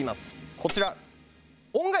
こちら。